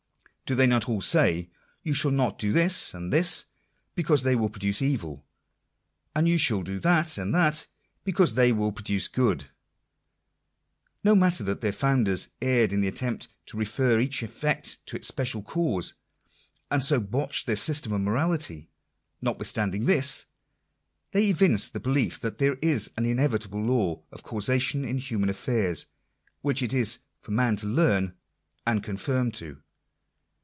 Do they not all say you shall not do this, and this, because they will produce evil ; and you shall do that and that, because they will produce good ? No matter that their founders erred in the attempt to refer each effect to its special cause, and so botched their systems of morality ; not withstanding this, they evinced the belief inevitable law of causation in human affairs, man to learn and conform to.